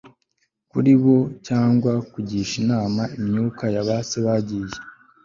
kuri bo cyangwa kugisha inama imyuka ya ba se bagiye